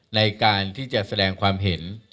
ในการที่จะแสดงความเห็น